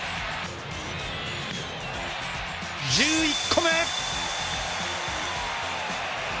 １１個目！